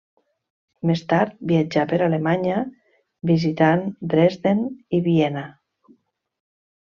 Més tard viatjà per Alemanya, visitant Dresden i Viena.